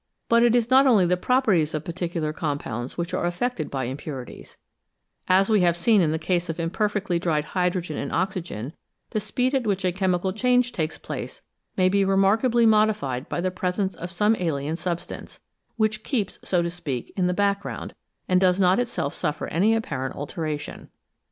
But it is not only the properties of particular compounds which are affected by impurities ; as we have seen in the case of imperfectly dried hydrogen and oxygen, the speed at which a chemical change takes place may be remarkably modified by the presence of some alien substance, which keeps, so to speak, in the back ground, and does not itself suffer any apparent alteration.